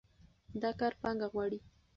دا کار پانګه غواړي.